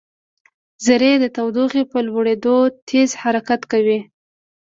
ذرې د تودوخې په لوړېدو تېز حرکت کوي.